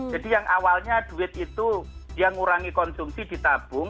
jadi yang awalnya duit itu dia ngurangi konsumsi ditabung